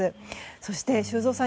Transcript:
そして、修造さん